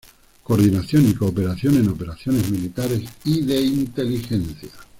Coordinación y cooperación en operaciones militares y de inteligencia.